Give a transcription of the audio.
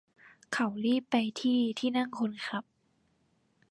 เขารีบไปที่ที่นั่งคนขับ